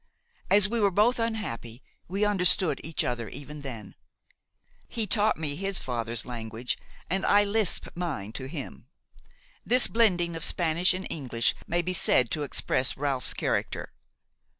As we were both unhappy, we understood each other even then. He taught me his father's language, and I lisped mine to him. This blending of Spanish and English may be said to express Ralph's character.